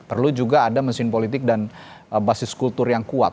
perlu juga ada mesin politik dan basis kultur yang kuat